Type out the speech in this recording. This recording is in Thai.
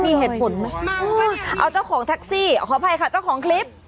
มีเหตุผลไหมเอาเจ้าของแท็กซี่ขออภัยค่ะเจ้าของคลิป